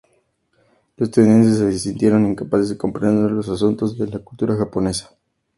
Los estadounidenses se sintieron incapaces de comprender los asuntos de la cultura japonesa.